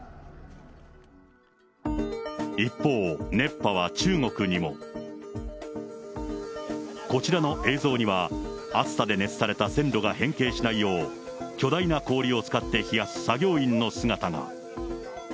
一方、熱波は中国にも。こちらの映像には、暑さで熱せられた線路が変形しないよう、巨大な氷を使って冷やす作業員の姿が。